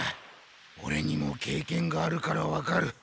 オレにも経験があるからわかる。